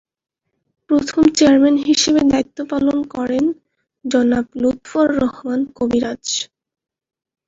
প্রথম চেয়ারম্যান হিসেবে দায়িত্ব পালন করেন জনাব লুৎফর রহমান কবিরাজ।